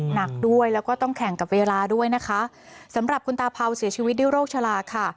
หนักด้วยแล้วก็ต้องแข่งกับเวลาด้วยนะคะสำหรับคุณตาเผาเสียชีวิตด้วยโรคชะลาค่ะ